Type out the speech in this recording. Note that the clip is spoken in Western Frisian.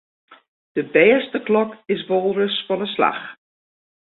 De bêste klok is wolris fan 'e slach.